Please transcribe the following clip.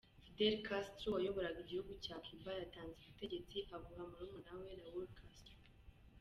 Fidel Castro wayoboraga igihugu cya Cuba yatanze ubutegetsi abuha murumuna we Raul Castro.